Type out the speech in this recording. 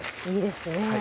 いいですね。